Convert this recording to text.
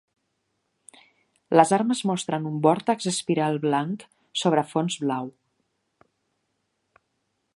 Les armes mostren un vòrtex espiral blanc sobre fons blau.